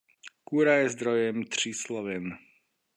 Kůra je zdrojem tříslovin.